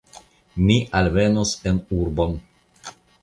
Ni alvenus en urbo.